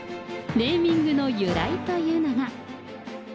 ネーミングの由来というのが。